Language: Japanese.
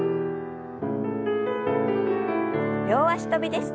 両脚跳びです。